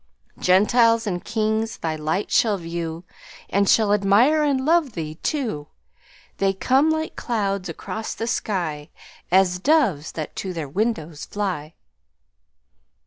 "Gentiles and kings thy light shall view, And shall admire and love thee too; They come, like clouds across the sky, As doves that to their windows fly."